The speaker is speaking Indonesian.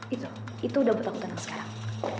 itu itu udah buat aku tenang sekarang